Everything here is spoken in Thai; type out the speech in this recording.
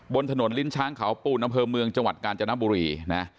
บนถนนลิ้นช้างเขาปูนอำเภอเมืองจังหวัดกาญจนบุรีนะ